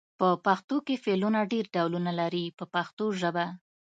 په پښتو کې فعلونه ډېر ډولونه لري په پښتو ژبه.